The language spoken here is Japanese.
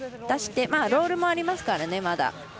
出してロールもありますからね、まだ。